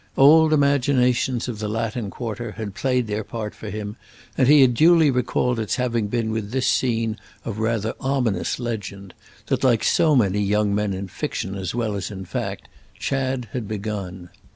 Old imaginations of the Latin Quarter had played their part for him, and he had duly recalled its having been with this scene of rather ominous legend that, like so many young men in fiction as well as in fact, Chad had begun.